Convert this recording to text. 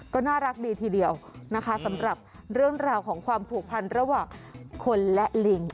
ก็น่ารักดีทีเดียวนะคะสำหรับเรื่องราวของความผูกพันระหว่างคนและลิง